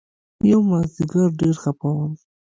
يومازديگر ډېر خپه وم.